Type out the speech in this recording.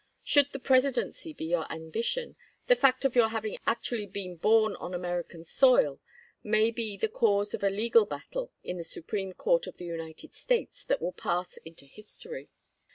Should the Presidency be your ambition, the fact of your having actually been born on American soil may be the cause of a legal battle in the Supreme Court of the United States that will pass into history.